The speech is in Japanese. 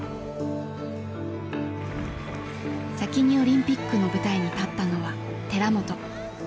先にオリンピックの舞台に立ったのは寺本。